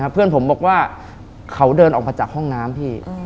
เพื่อนผมบอกว่าเขาเดินออกมาจากห้องน้ำพี่